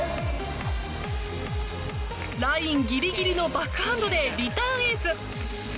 ラインぎりぎりのバックハンドでリターンエース！